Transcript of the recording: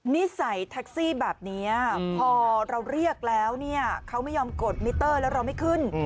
นิสัยแท็กซี่แบบนี้พอเราเรียกแล้วเนี่ยเขาไม่ยอมกดมิเตอร์แล้วเราไม่ขึ้น